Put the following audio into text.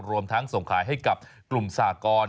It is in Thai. รวมทั้งส่งขายให้กับกลุ่มสากร